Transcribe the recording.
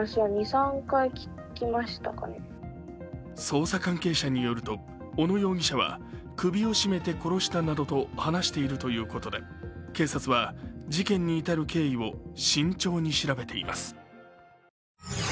捜査関係者によると、小野容疑者は首を絞めて殺したなどと話しているということで警察は事件に至る経緯を慎重に調べています。